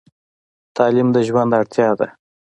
تعلیم د ژوند اړتیا ده.